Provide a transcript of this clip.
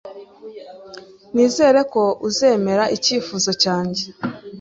Nizere ko uzemera icyifuzo cyanjye.